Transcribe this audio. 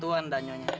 tuhan dan nyonya